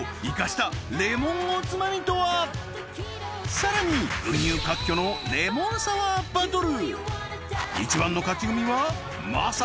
さらに群雄割拠のレモンサワーバトル！